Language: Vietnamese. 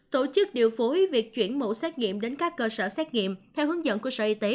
tổ chức điều phối việc chuyển mẫu xét nghiệm đến các cơ sở xét nghiệm theo hướng dẫn của sở y tế